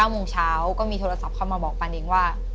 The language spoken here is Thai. โมงเช้าก็มีโทรศัพท์เข้ามาบอกปานิ้งว่า